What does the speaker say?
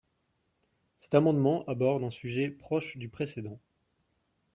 Cet amendement aborde un sujet proche du précédent.